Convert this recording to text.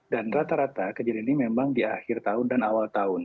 dan rata rata kejadian ini memang di akhir tahun dan awal tahun